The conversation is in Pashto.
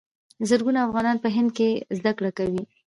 زرګونه افغانان په هند کې زده کړې کوي.